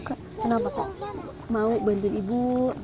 kenapa kok mau bantuin ibu